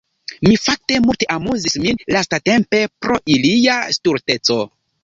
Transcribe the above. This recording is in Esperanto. Mi fakte multe amuzis min lastatempe pro ilia stulteco.